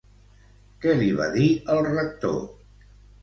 Què li va dir el rector?